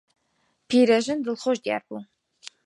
پیرەژن دڵخۆش دیار بوو.